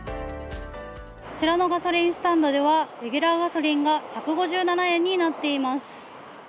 こちらのガソリンスタンドではレギュラーガソリンが１５７円になっています。